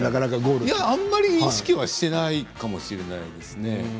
あんまり意識はしていないかもしれないですね。